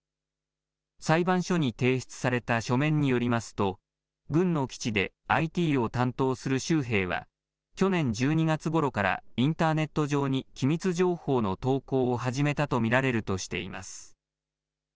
裁判所に提出された書面によりますと、軍の基地でＩＴを担当する州兵は、去年１２月ごろからインターネット上に機密情報の投稿を始めたと見られるとしています。